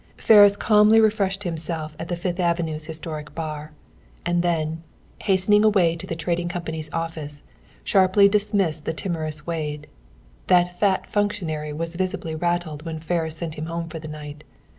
Ferris calmly refreshed himself at the Fifth Avenue's historic bar, and then, hastening away to the Trading Company's office, sharply dismissed the timorous Wade. That fat functionary was visibly rattled when Ferris sent him home for the night.